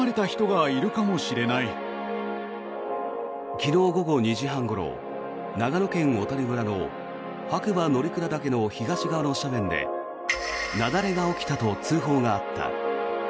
昨日午後２時半ごろ長野県小谷村の白馬乗鞍岳の東側の斜面で雪崩が起きたと通報があった。